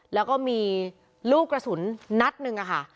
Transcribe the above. แล้วก็มีลูกกระสุนนัดหนึ่งค่ะ